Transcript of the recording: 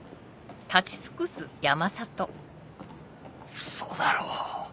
ウソだろ？